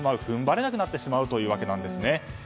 踏ん張れなくなってしまうというわけなんですね。